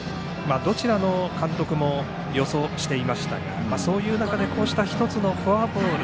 どちらの監督もそう予想していましたがそういう中でこうした１つのフォアボール